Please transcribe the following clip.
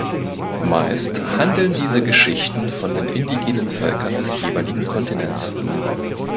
Meist handeln diese Geschichten von den indigenen Völkern des jeweiligen Kontinents.